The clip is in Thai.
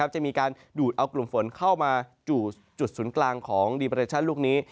จะมีการดูดเอากลุ่มฝนเข้ามาสู่จุดศูนย์กลางของดีเปอร์เรชั่นลูกนี้